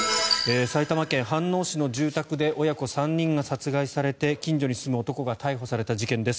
埼玉県飯能市の住宅で親子３人が殺害されて近所に住む男が逮捕された事件です。